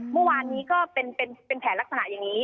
เมื่อวานนี้ก็เป็นแผลลักษณะอย่างนี้